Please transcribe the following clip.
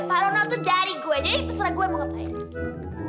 faronal tuh dari gue jadi terserah gue mau ngepayang